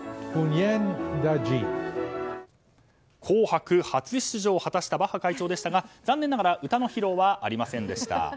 「紅白」初出場を果たしたバッハ会長でしたが残念ながら歌の披露はありませんでした。